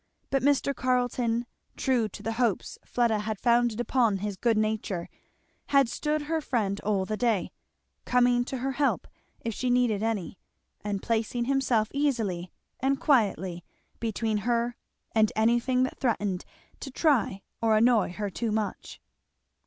But Mr. Carleton, true to the hopes Fleda had founded upon his good nature, had stood her friend all the day, coming to her help if she needed any, and placing himself easily and quietly between her and anything that threatened to try or annoy her too much.